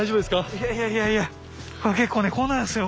いやいやいやいや結構ねこうなるんですよ